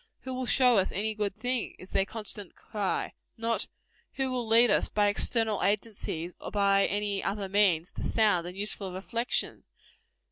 Who will show us any good thing? is their constant cry: not, Who will lead us, by external agencies, or by any other means, to sound and useful reflection.